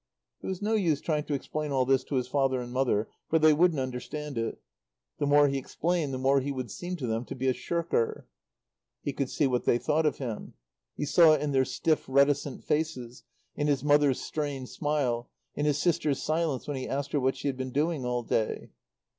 It was no use trying to explain all this to his father and mother, for they wouldn't understand it. The more he explained the more he would seem to them to be a shirker. He could see what they thought of him. He saw it in their stiff, reticent faces, in his mother's strained smile, in his sister's silence when he asked her what she had been doing all day.